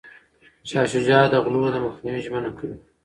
شاه شجاع د غلو د مخنیوي ژمنه کوي.